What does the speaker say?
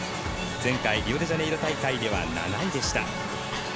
前回リオデジャネイロ大会では７位でした。